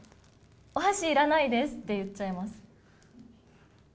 お箸いらないですって言っちゃいます。